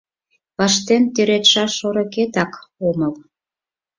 Пыштен тӱредшаш шорыкетак омыл.